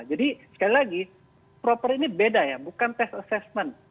jadi sekali lagi proper ini beda ya bukan test assessment